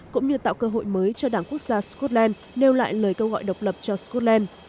cũng như tạo cơ hội mới cho đảng quốc gia scotland nêu lại lời kêu gọi độc lập cho scotland